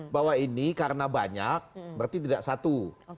bahwa ini karena banyak berarti tidak satu